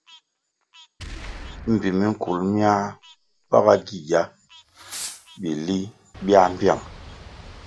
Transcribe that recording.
Mbpi minkul miáh bágá gigia bili biáh mbiang.